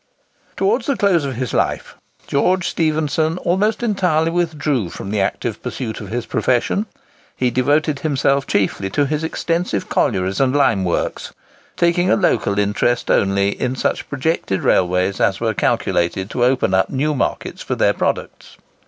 Towards the close of his life, George Stephenson almost entirely withdrew from the active pursuit of his profession; he devoted himself chiefly to his extensive collieries and lime works, taking a local interest only in such projected railways as were calculated to open up new markets for their products.